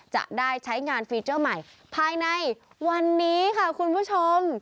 จะได้ใช้งานฟีเจอร์ใหม่ภายในวันนี้ค่ะคุณผู้ชม